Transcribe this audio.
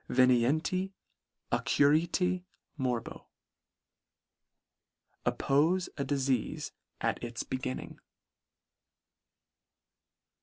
Venienti occurrite tnorbo. Oppofe a difeafe at its beginning.